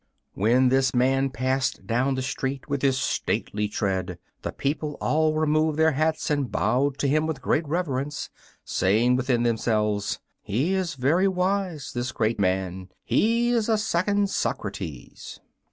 When this man passed down the street with his stately tread the people all removed their hats and bowed to him with great reverence, saying within themselves, "He is very wise, this great man; he is a second Socrates."